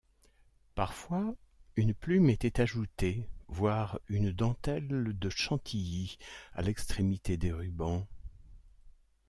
Parfois, une plume était ajoutée, voire une dentelle de Chantilly, à l'extrémité des rubans.